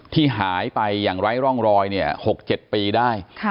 ที่หายไปอย่างไร้ร่องรอย๖๗ปีได้